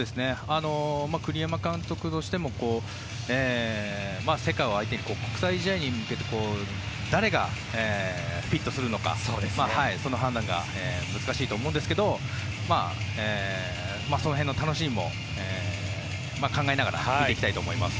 栗山監督としても世界を相手に、国際試合に向けて誰がフィットするのかその判断が難しいと思うんですがその辺の楽しみも考えながら見ていきたいと思います。